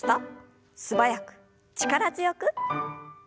素早く力強く。